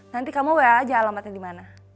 nanti kamu bayar aja alamatnya dimana